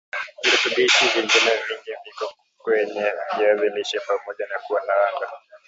virutubishi vingine vingi viko kwenye viazi lishe pamoja na kuwa na wanga